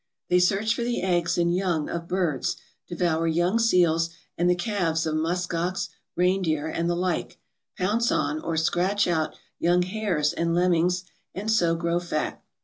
They search for the eggs and young of birds, devour young seals, and the calves of musk ox, reindeer and the like, pounce on, or scratch out, young hares and lemmings, and so grow fat.